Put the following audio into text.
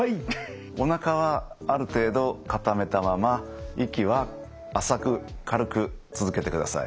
おなかはある程度固めたまま息は浅く軽く続けてください。